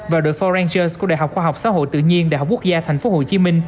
và đội for rangers của đại học khoa học xã hội tự nhiên đại học quốc gia tp hcm